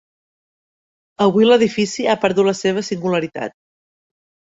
Avui l'edifici ha perdut la seva singularitat.